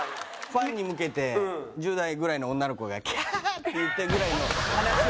ファンに向けて１０代ぐらいの女の子がキャハハ！って言ってるぐらいの話を今『ロンハー』で。